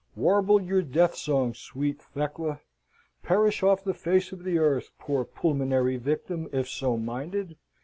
Warble your death song, sweet Thekla! Perish off the face of the earth, poor pulmonary victim, if so minded!